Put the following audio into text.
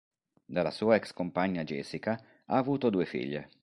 Dalla sua ex compagna Jessica ha avuto due figlie.